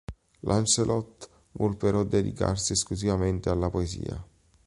Lancelot vuole però dedicarsi esclusivamente alla poesia.